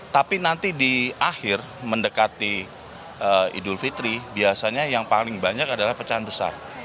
tapi nanti di akhir mendekati idul fitri biasanya yang paling banyak adalah pecahan besar